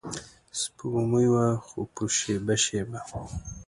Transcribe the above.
سپوږمۍ وه خو په شیبه شیبه